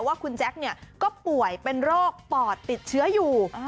แล้วว่าคุณแจ๊คเนี่ยก็ป่วยเป็นโรคป่อดติดเชื้ออยู่